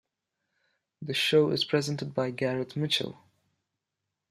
The show is presented by Gareth Mitchell.